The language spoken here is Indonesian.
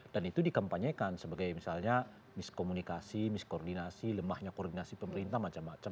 dan itu dikampanyekan sebagai misalnya miskomunikasi miskoordinasi lemahnya koordinasi pemerintah macam macam